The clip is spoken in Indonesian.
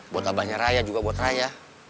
buat abahnya raya juga buat raya